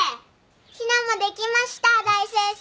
陽菜もできました大先生！